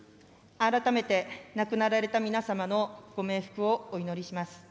改めて亡くなられた皆様のご冥福をお祈りします。